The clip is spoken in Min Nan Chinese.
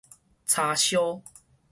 叉燒